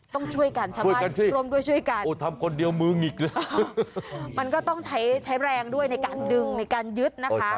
ต้องช่วยกันชาวบ้านรวมด้วยช่วยกันมันก็ต้องใช้แรงด้วยในการดึงในการยึดนะคะ